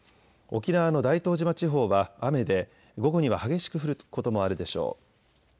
沖縄の大東島地方は雨で午後には激しく降ることもあるでしょう。